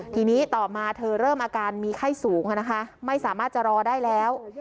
ทีนี้ต่อมาเธอเริ่มอาการมีไข้สูงไม่สามารถจะรอได้แล้ว